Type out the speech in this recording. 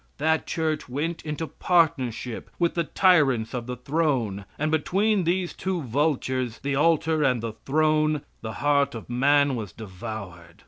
That Church went into partnership with the tyrants of the throne, and between these two vultures, the altar and the throne, the heart of man was devoured.